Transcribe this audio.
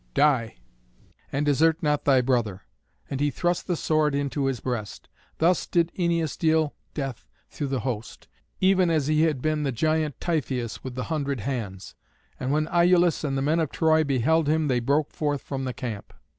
Die! and desert not thy brother." And he thrust the sword into his breast. Thus did Æneas deal death through the host, even as he had been the giant Typhoeus with the hundred hands. And when Iülus and the men of Troy beheld him they broke forth from the camp.